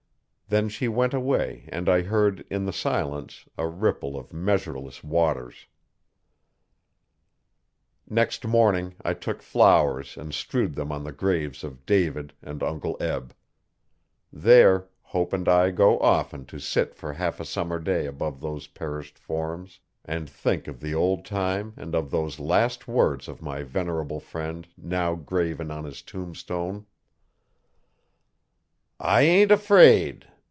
Then she went away and I heard, in the silence, a ripple of measureless waters. Next morning I took flowers and strewed them on the graves of David and Uncle Eb; there, Hope and I go often to sit for half a summer day above those perished forms, and think of the old time and of those last words of my venerable friend now graven on his tombstone: I AIN'T AFRAID.